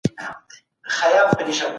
شکر د ژوند یوازینۍ لاره ده چي برکت راولي.